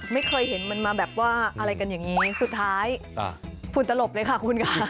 ไม่เคยเห็นมันมาแบบว่าอะไรกันอย่างนี้สุดท้ายฝุ่นตลบเลยค่ะคุณค่ะ